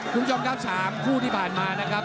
ทุ่งชมครับาวชามคู่ที่ผ่านมานะครับ